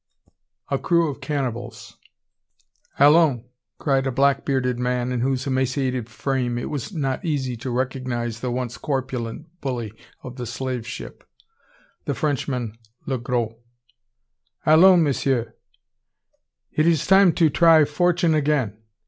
A CREW OF CANNIBALS. "Allons!" cried a black bearded man, in whose emaciated frame it was not easy to recognise the once corpulent bully of the slave ship, the Frenchman, Le Gros. "Allons! messieurs! It's time to try fortune again.